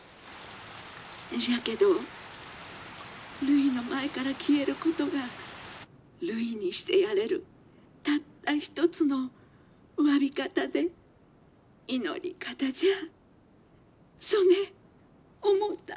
じゃけどるいの前から消えることがるいにしてやれるたった一つのわび方で祈り方じゃあそねえ思うた。